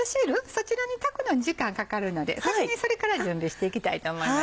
そちらに炊くのに時間かかるので先にそれから準備していきたいと思いますね。